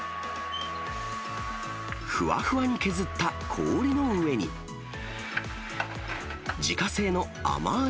ふわふわに削った氷の上に、自家製の甘ーい